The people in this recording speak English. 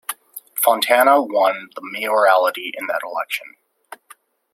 Fontana won the mayoralty in that election.